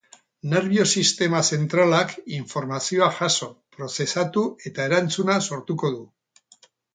Nerbio-sistema zentralak informazioa jaso, prozesatu eta erantzuna sortuko du.